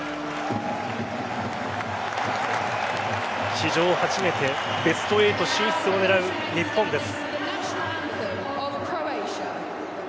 史上初めてベスト８進出を狙う日本です。